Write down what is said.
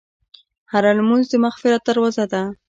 هره لمونځ د مغفرت دروازه ده.